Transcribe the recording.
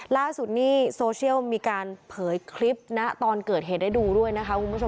ล่าสุดนี่โซเชียลมีการเผยคลิปนะตอนเกิดเหตุได้ดูด้วยนะคะคุณผู้ชม